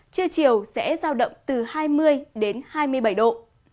trưa chiều sẽ giao động từ hai mươi đến hai mươi bảy độ